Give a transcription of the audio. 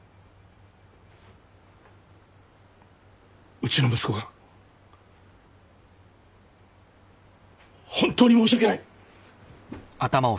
うちの息子が本当に申し訳ない！